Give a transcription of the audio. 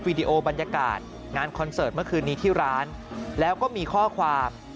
ดีโอบรรยากาศงานคอนเสิร์ตเมื่อคืนนี้ที่ร้านแล้วก็มีข้อความ